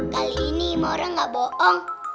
kali ini maura gak bohong